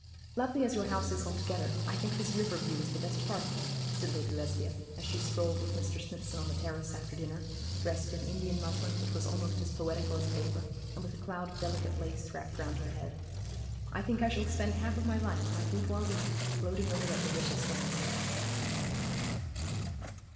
'Lovely as your house is altogether, I think this river view is the best part of it,' said Lady Lesbia, as she strolled with Mr. Smithson on the terrace after dinner, dressed in Indian muslin which was almost as poetical as a vapour, and with a cloud of delicate lace wrapped round her head. 'I think I shall spend half of my life at my boudoir window, gloating over that delicious landscape.'